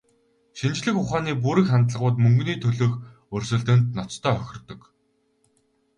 Шинжлэх ухааны бүрэг хандлагууд мөнгөний төлөөх өрсөлдөөнд ноцтой хохирдог.